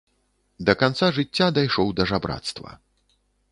Да канца жыцця дайшоў да жабрацтва.